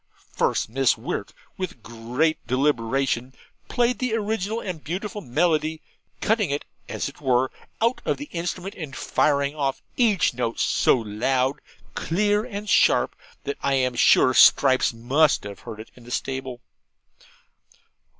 First Miss Wirt, with great deliberation, played the original and beautiful melody, cutting it, as it were, out of the instrument, and firing off each note so loud, clear, and sharp, that I am sure Stripes must have heard it in the stable.